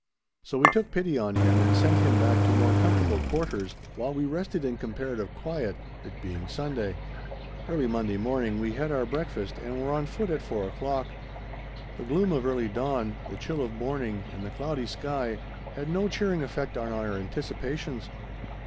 So we took pity on him and sent him back to more comfortable quarters while we rested in comparative quiet, it being Sunday. Early Monday morning we had our breakfast and were on foot at four o'clock. The gloom of early dawn, the chill of morning, and the cloudy sky had no cheering effect on our anticipations.